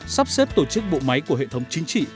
sắp xếp tổ chức bộ máy của hệ thống chính trị